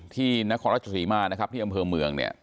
ที่นครรัฐจักรศีรมาธิ์นะครับที่อำเภอเมืองเนี่ย